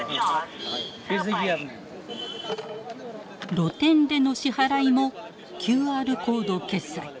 露店での支払いもＱＲコード決済。